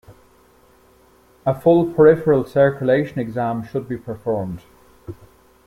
A full peripheral circulation exam should be performed.